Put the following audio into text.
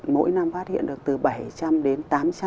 mỗi năm phát hiện được từ bảy trăm linh đến tám trăm linh